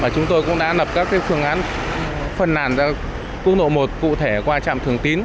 chúng tôi cũng đã lập các phương án phân làn ra quốc lộ một cụ thể qua trạm thường tín